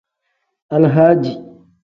Alahadi.